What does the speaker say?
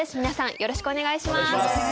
よろしくお願いします。